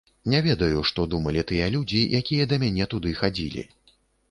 Не ведаю, што думалі тыя людзі, якія да мяне туды хадзілі.